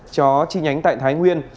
cho chi nhánh tại thái nguyên